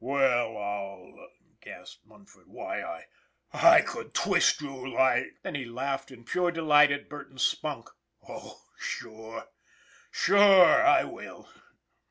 " Well, I'll" gasped Munford. " Why, I could twist you like " Then he laughed in pure delight at Burton's spunk " Oh, sure ! Sure, I will."